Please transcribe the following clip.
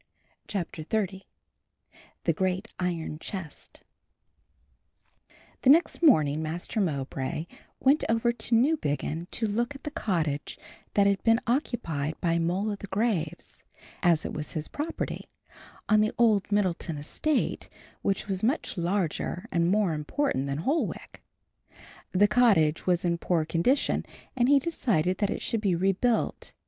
CHAPTER XXX THE GREAT IRON CHEST The next morning Master Mowbray went over to Newbiggin to look at the cottage that had been occupied by "Moll o' the graves," as it was his property, on the old Middleton estate which was much larger and more important than Holwick. The cottage was in poor condition and he decided that it should be rebuilt.